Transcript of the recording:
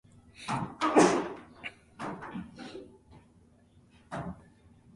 However, anything other than a localised outbreak is unlikely.